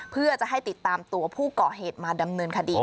เพื่อจะให้ติดตามตัวผู้ก่อเหตุมาดำเนินคดี